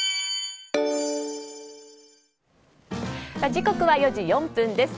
時刻は４時４分です。